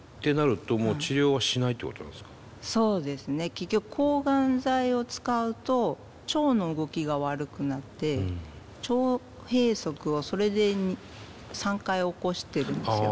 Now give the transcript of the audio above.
結局抗がん剤を使うと腸の動きが悪くなって腸閉塞をそれで３回起こしてるんですよ。